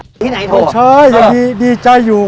ที่ไหนโถ๊ะอ่ะใช่อย่างนี้ดีใจอยู่